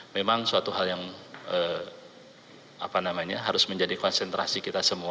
memang suatu hal yang harus menjadi konsentrasi kita semua